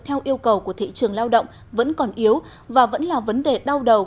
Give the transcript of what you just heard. theo yêu cầu của thị trường lao động vẫn còn yếu và vẫn là vấn đề đau đầu